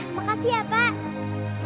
makasih ya pak